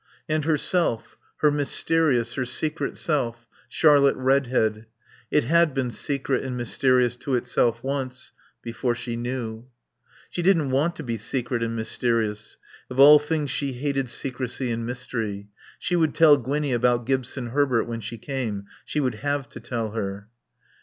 And herself, her mysterious, her secret self, Charlotte Redhead. It had been secret and mysterious to itself once, before she knew. She didn't want to be secret and mysterious. Of all things she hated secrecy and mystery. She would tell Gwinnie about Gibson Herbert when she came. She would have to tell her.